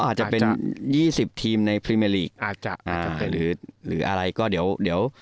อาจจะเป็นยี่สิบทีมในอาจจะอ่าหรือหรืออะไรก็เดี๋ยวเดี๋ยว